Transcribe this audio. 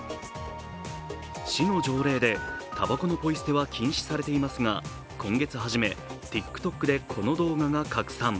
市の条例でたばこのポイ捨ては禁止されていますが今月初め、ＴｉｋＴｏｋでこの動画が拡散。